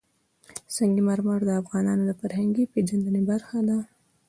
سنگ مرمر د افغانانو د فرهنګي پیژندنې برخه ده.